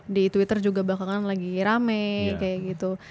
di twitter juga bakalan lagi rame kayak gitu